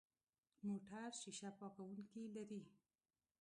موټر شیشه پاکونکي لري.